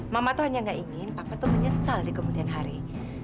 mama tuh hanya gak ingin apa tuh menyesal di kemudian hari